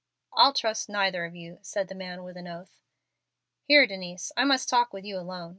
"I'll trust neither of you," said the man, with an oath. "Here, Dencie, I must talk with you alone.